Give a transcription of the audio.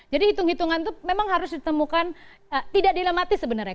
jadi hitung hitungan itu memang harus ditemukan tidak dilematis sebenarnya